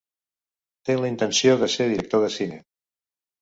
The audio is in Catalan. Té la intenció de ser director de cine.